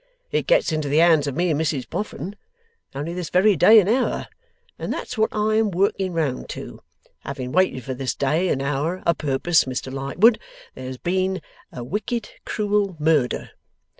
'It gets into the hands of me and Mrs Boffin only this very day and hour, and that's what I am working round to, having waited for this day and hour a' purpose. Mr Lightwood, here has been a wicked cruel murder.